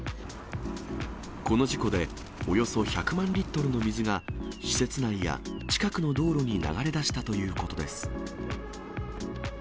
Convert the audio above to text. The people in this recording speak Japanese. この事故で、およそ１００万リットルの水が施設内や近くの道路に流れ出したということです。